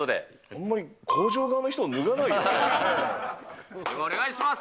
あんまり工場側の人、脱がなお願いします。